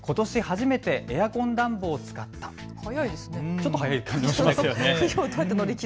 ちょっと早い感じがします。